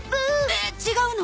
えっ？違うの？